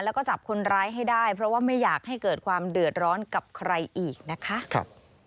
แล้วก็จับคนร้ายให้ได้เพราะว่าไม่อยากให้เกิดความเดือดร้อนกับใครอีกนะคะ